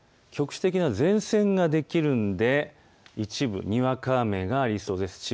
局地的な前線ができるので一部、にわか雨がありそうです。